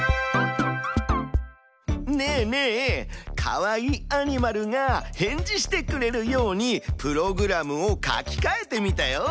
ねえねえカワイイアニマルが返事してくれるようにプログラムを書きかえてみたよ！